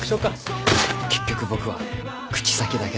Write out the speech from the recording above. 結局僕は口先だけだ。